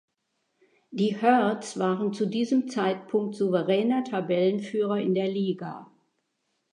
Die „Hearts“ waren zu diesem Zeitpunkt souveräner Tabellenführer in der Liga.